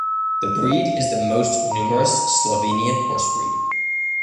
The breed is the most numerous Slovenian horse breed.